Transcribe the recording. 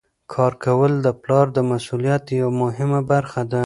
کار کول د پلار د مسؤلیت یوه مهمه برخه ده.